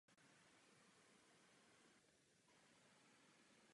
V době své výstavby byla největší synagogou na světě.